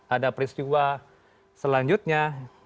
ada peristiwa selanjutnya